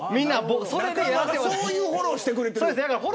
そういうフォローしてくれてる。